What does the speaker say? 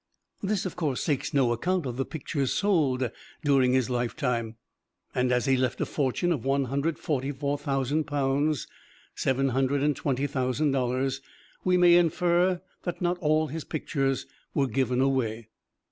This of course takes no account of the pictures sold during his lifetime, and, as he left a fortune of one hundred forty four thousand pounds (seven hundred twenty thousand dollars), we may infer that not all his pictures were given away.